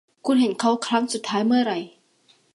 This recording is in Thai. คุณเห็นเขาครั้งสุดท้ายเมื่อไหร่